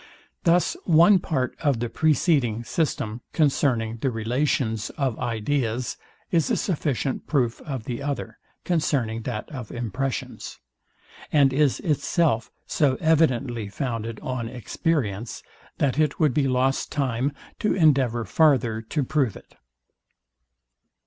Thus one part of the preceding system, concerning the relations of ideas is a sufficient proof of the other, concerning that of impressions; and is itself so evidently founded on experience, that it would be lost time to endeavour farther to prove it.